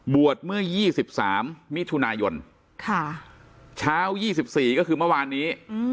บวชเมื่อยี่สิบสามมิถุนายนค่ะเช้ายี่สิบสี่ก็คือเมื่อวานนี้